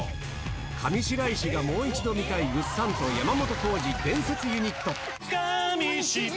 上白石がもう一度見たい、ぐっさんと山本耕史伝説ユニット。